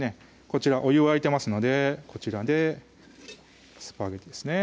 こちらお湯沸いてますのでこちらでスパゲッティですね